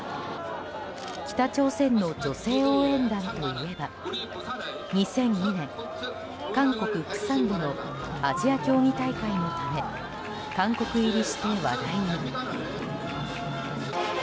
北朝鮮の女性応援団といえば２００２年、韓国・釜山でのアジア競技大会のため韓国入りして話題に。